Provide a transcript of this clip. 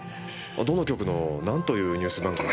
どの局のなんというニュース番組ですか？